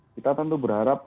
kita tentu berharap